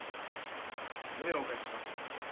胸をお借りします。